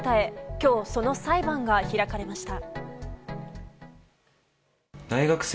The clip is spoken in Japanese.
今日、その裁判が開かれました。